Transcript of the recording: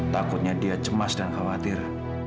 takutnya dia cemas dan khawatir